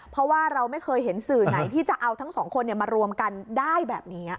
เพราะว่าเราไม่เคยเห็นสื่อไหนที่จะเอาทั้งสองคนมารวมกันได้แบบนี้